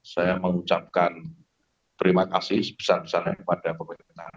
saya mengucapkan terima kasih sebesar besarnya kepada pemimpin negara